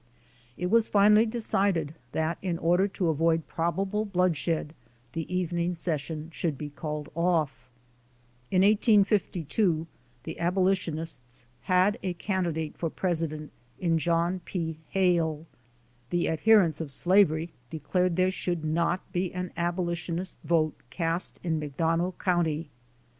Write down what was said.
It was finally decided that in order to avoid probable blood shed, the evening session should be called off. In 1852 the abolitionists had a candidate for president in John P. Hale. The adherents of slavery declared there should not be an abolitionist vote cast in McDonough county.